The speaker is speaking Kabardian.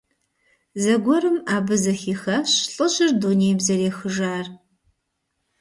Зэгуэрым абы зэхихащ лӀыжьыр дунейм зэрехыжар.